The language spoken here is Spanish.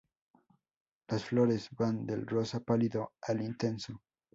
Las flores van del rosa pálido al intenso.